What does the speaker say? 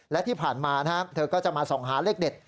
และที่ผ่านมาเธอก็จะมาส่องหาเลขเด็ด